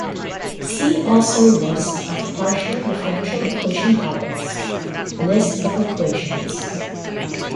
See also list of partial differential equation topics, list of equations.